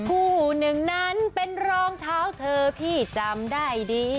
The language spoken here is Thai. คู่หนึ่งนั้นเป็นรองเท้าเธอพี่จำได้ดี